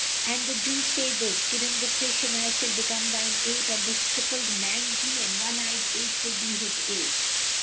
An the Jew say this, give him the fish and I shall become thine ape and this crippled, mangy and one eyed ape will be his ape."